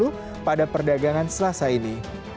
lalu kita pantau pembukaan bursa sam utama asia pada pagi hari ini